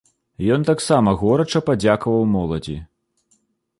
Ён таксама горача падзякаваў моладзі.